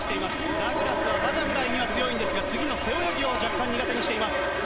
ダグラスはバタフライには強いんですが、次の背泳ぎを若干苦手にしています。